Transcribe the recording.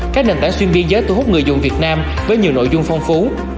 các nền tảng xuyên biên giới thu hút người dùng việt nam với nhiều nội dung phong phú